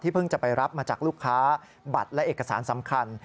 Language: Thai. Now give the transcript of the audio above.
เพิ่งจะไปรับมาจากลูกค้าบัตรและเอกสารสำคัญ